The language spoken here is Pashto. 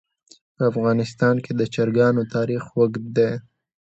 په افغانستان کې د چرګانو تاریخ اوږد دی.